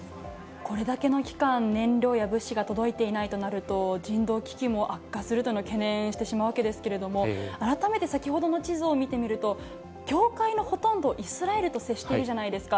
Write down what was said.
これだけの期間、燃料や物資が届いていないとなると、人道危機も悪化するとの懸念してしまうわけですけれども、改めて先ほどの地図を見てみると、境界のほとんど、イスラエルと接しているじゃないですか。